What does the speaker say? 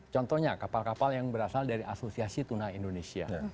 contohnya kapal kapal yang berasal dari asosiasi tuna indonesia